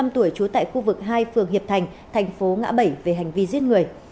hai mươi năm tuổi chúa tại khu vực hai phường hiệp thành thành phố ngã bể về hành vi giết người